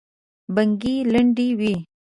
بڼکې لندې وې.